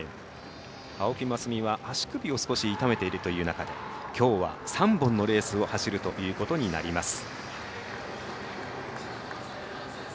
青木益未は足首を少し痛めている中できょうは、３本のレースを走るということになります。